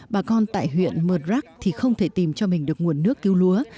bà con tại huyện mờ rắc thì không thể tìm cho mình được nguồn nước cứu lúa